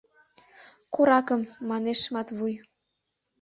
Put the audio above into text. — Коракым, — манеш Матвуй.